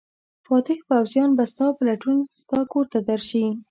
فاتح پوځیان به ستا په لټون ستا کور ته درشي.